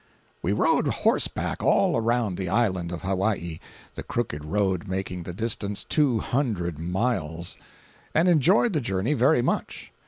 We rode horseback all around the island of Hawaii (the crooked road making the distance two hundred miles), and enjoyed the journey very much.